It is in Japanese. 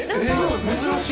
珍しい。